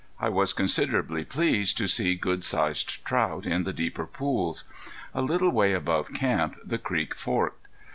I was considerably pleased to see good sized trout in the deeper pools. A little way above camp the creek forked.